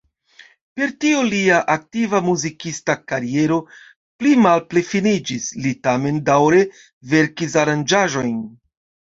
Per tio lia aktiva muzikista kariero pli malpli finiĝis; li tamen daŭre verkis aranĝaĵojn.